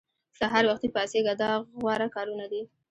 سهار وختي پاڅېږه دا غوره کارونه دي.